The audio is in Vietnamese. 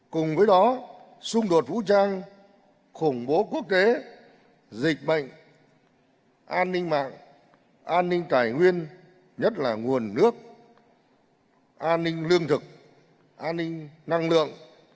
cùng với đó xung đột vũ trang khủng bố quốc tế dịch bệnh an ninh mạng an ninh tài nguyên nhất là nguồn nước an ninh lương thực an ninh năng lượng